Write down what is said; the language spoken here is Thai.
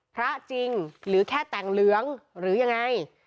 พระจริงหรือแค่แต่งเหลืองหรือยังไง